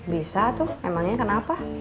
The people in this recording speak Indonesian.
bisa tuh emangnya kenapa